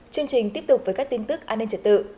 chương trình tiếp tục với các tin tức an ninh trật tự